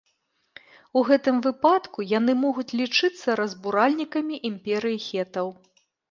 У гэтым выпадку, яны могуць лічыцца разбуральнікамі імперыі хетаў.